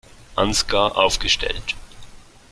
Ansgar aufgestellt.